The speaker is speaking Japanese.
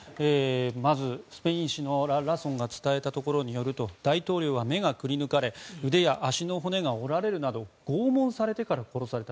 まずスペイン紙のラ・ラソンが伝えたところによると大統領は目がくり抜かれ腕や足の骨が折られるなど拷問されてから殺された。